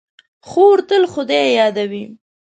خور تل خدای یادوي.